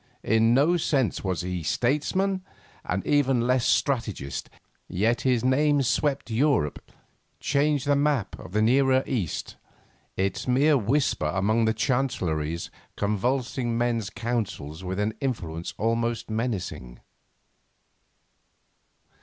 In no sense was he Statesman, and even less strategist, yet his name swept Europe, changed the map of the Nearer East, its mere whisper among the Chancelleries convulsing men's counsels with an influence almost menacing.